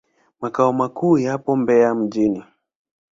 Makao makuu yapo Mbeya mjini.